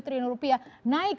triliun rupiah naik